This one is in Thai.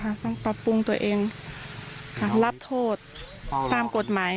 ต้องปรับปรุงตัวเองรับโทษตามกฎหมาย